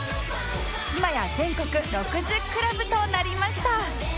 今や全国６０クラブとなりました